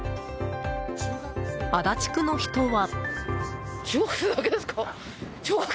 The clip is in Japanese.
足立区の人は。